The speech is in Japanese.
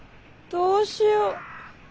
どうしよう。